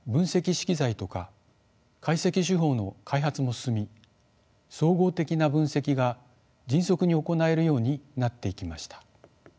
資機材とか解析手法の開発も進み総合的な分析が迅速に行えるようになっていきました。